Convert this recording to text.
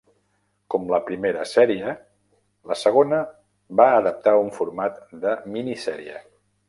Com la primera sèrie, la segona va adaptar un format de minisèrie.